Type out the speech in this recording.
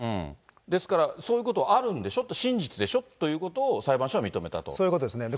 ですから、そういうことはあるんでしょ、真実でしょというこそういうことですね。